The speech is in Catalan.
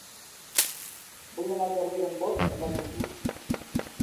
Vull anar al carrer d'en Bot amb autobús.